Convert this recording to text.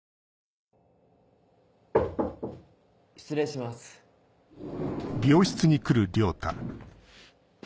・失礼します・おう。